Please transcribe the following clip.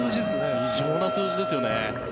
異常な数字ですよね。